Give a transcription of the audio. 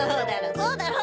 そうだろ？